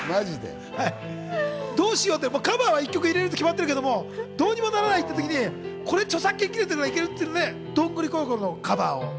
どうしようって、カバーを１曲入れるって決まってるけどどうにもならないって時に、これ著作権切れてるから行けるって『どんぐりころころ』のカバーを。